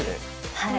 はい。